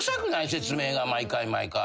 説明が毎回毎回。